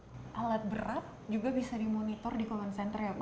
kalau alat berat juga bisa dimonitor di com center ya pak